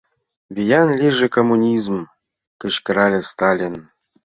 — Виян лийже коммунизм! — кычкырале Сталин.